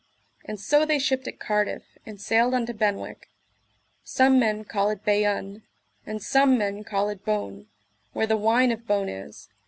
And so they shipped at Cardiff, and sailed unto Benwick: some men call it Bayonne, and some men call it Beaune, where the wine of Beaune is.